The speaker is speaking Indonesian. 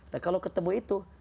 nah kalau ketemu itu